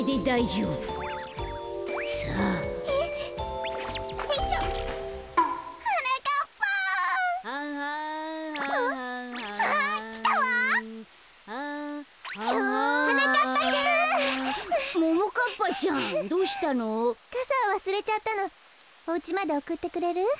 おうちまでおくってくれる？